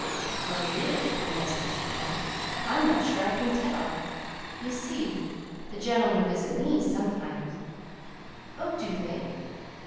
"Well, really," confessed Mr. Jack, "I'm not sure I can tell. You see the gentlemen visit me sometimes." "Oh, do they?"